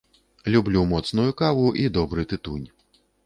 Люблю моцную каву і добры тытунь.